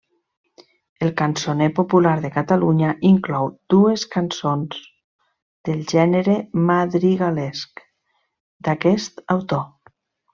El Cançoner popular de Catalunya inclou dues cançons del gènere madrigalesc, d'aquest autor.